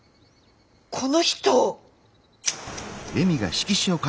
この人！